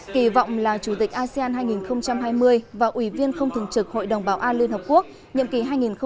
kỳ vọng là chủ tịch asean hai nghìn hai mươi và ủy viên không thường trực hội đồng bảo an liên hợp quốc nhiệm kỳ hai nghìn hai mươi hai nghìn hai mươi một